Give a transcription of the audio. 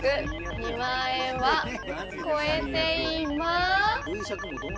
２万円は超えていません！